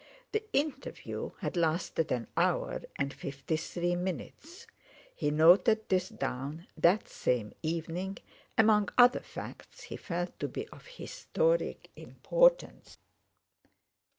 The interview had lasted an hour and fifty three minutes. He noted this down that same evening, among other facts he felt to be of historic importance.